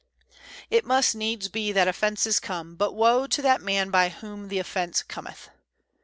"It must needs be that offences come; but woe to that man by whom the offence cometh."